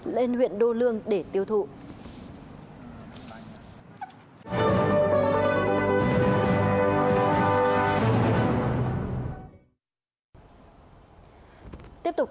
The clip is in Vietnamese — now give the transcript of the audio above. lên huyện đô lương để tiêu thụ